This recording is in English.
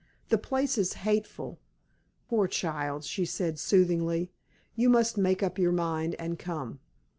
The place is hateful." "Poor child!" she said, soothingly. "You must make up your mind and come."